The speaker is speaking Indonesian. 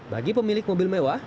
bagi pemilik mobil mewah